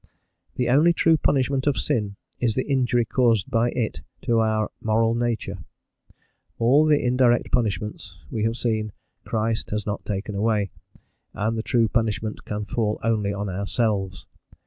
The only true punishment of sin is the injury caused by it to our moral nature: all the indirect punishments, we have seen, Christ has not taken away, and the true punishment can fall only on ourselves.